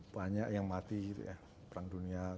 banyak yang mati perang dunia